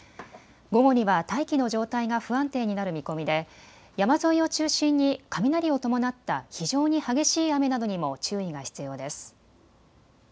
午後には大気の状態が不安定になる見込みで山沿いを中心に雷を伴った非常に激しい雨などにも注意が必要です。